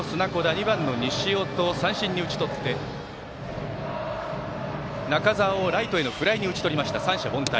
２番の西尾と三振に打ち取って中澤をライトへのフライに打ち取り三者凡退。